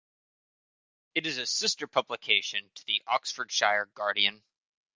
It is a sister publication to the "Oxfordshire Guardian".